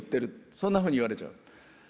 そんなふうに言われちゃう。